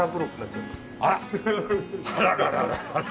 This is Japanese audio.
あらららら！